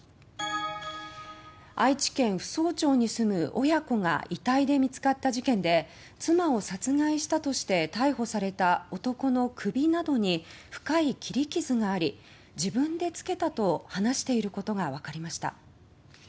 愛知県扶桑町に住む親子が遺体で見つかった事件で妻を殺害したとして逮捕された男の首などに深い切り傷があり自分でつけたと話していることがわかりました。